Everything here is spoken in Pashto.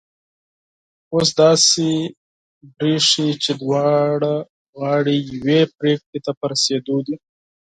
اوس داسي برېښي چي دواړه غاړې یوې پرېکړي ته په رسېدو دي